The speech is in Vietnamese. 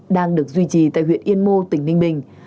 đang được duy trì tại huyện yên mô tỉnh ninh bình